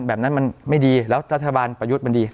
แบบนั้นมันไม่ดีแล้วรัฐบาลประยุทธ์มันดี